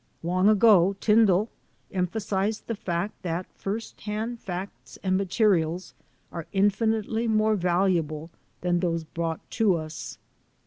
Long ago Tyndall emphasized the fact that first hand facts and materials are infinitely more valuable than those brought to us.